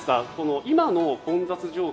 今の混雑状況